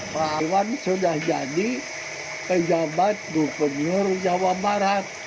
pak iryawan sudah jadi penjabat gubernur jawa barat